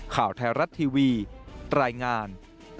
ข่าวไทยรัฐทีวีรายงาน